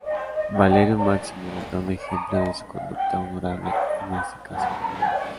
Valerio Máximo da un ejemplo de su conducta honorable en este caso.